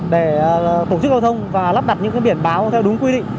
để tổ chức giao thông và lắp đặt những biển báo theo đúng quy định